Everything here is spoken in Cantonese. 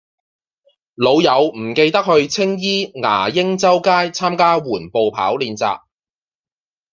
老友唔記得去青衣牙鷹洲街參加緩步跑練習